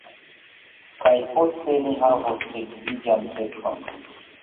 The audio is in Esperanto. Kaj poste ni havos edziĝan feston!